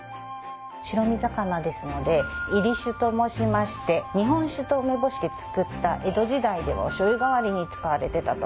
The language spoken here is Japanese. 白身魚ですので煎り酒と申しまして日本酒と梅干しでつくった江戸時代ではお醤油代わりに使われてたと。